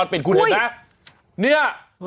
เบิร์ตลมเสียโอ้โห